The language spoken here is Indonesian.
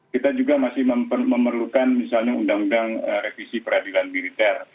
kita juga masih memerlukan misalnya undang undang revisi peradilan militer